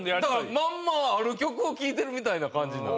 まんまある曲を聴いてるみたいな感じになる。